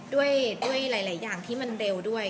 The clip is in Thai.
ด้วยหลายอย่างที่มันเร็วด้วย